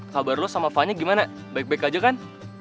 kabar lo sama fani gimana baik baik aja kan